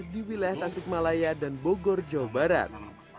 di wilayah tasik malaya dan bogor jawa barat